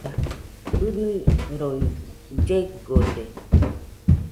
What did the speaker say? ɨniroi llegode.